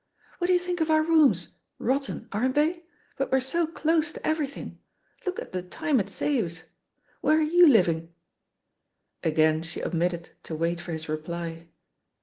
;What do you think of our rooms? Rotten, aren't they ? But we're so close to everything — look at the time it saves. Where are yaw living?" Again she omitted to wait for his reply.